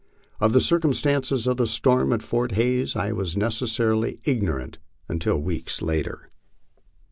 Of the circumstances of the storm at Fort Hays I was necessarily ignorant until weeks later.